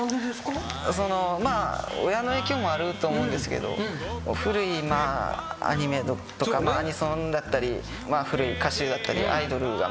親の影響もあると思うんですけど古いアニメとかアニソンだったり古い歌手だったりアイドルがすごい好きで。